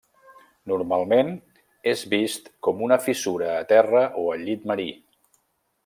Normalment és vist com una fissura a terra o al llit marí.